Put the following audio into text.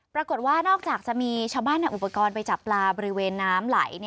ปรากฏว่านอกจากจะมีชาวบ้านนำอุปกรณ์ไปจับปลาบริเวณน้ำไหล